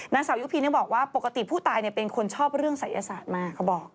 นางสาวยุพินบอกว่าปกติผู้ตายเป็นคนชอบเรื่องศัยศาสตร์มากเขาบอก